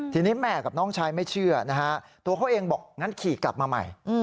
ทีนี้แม่กับน้องชายไม่เชื่อนะฮะตัวเขาเองบอกงั้นขี่กลับมาใหม่